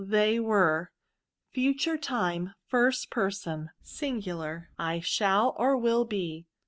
They were. Future Time, Ist Person. I shall, or will, be.